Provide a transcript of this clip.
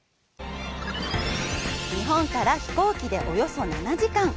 日本から飛行機でおよそ７時間。